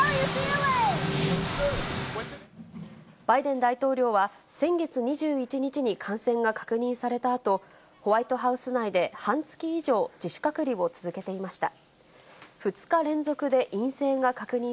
バイデン大統領は、先月２１日に感染が確認されたあと、ホワイトハウス内で半月以上、自主隔離を続けていました。